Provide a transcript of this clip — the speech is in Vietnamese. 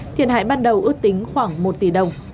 thiệt hại ban đầu ước tính khoảng một tỷ đồng